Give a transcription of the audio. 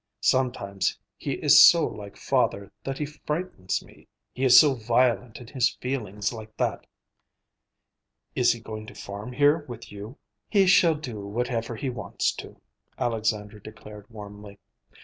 Sometimes he is so like father that he frightens me; he is so violent in his feelings like that." "Is he going to farm here with you?" "He shall do whatever he wants to," Alexandra declared warmly.